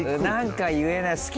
なんか言えない。